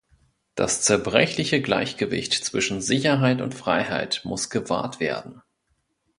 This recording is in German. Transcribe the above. Das zerbrechliche Gleichgewicht zwischen Sicherheit und Freiheit muss gewahrt werden.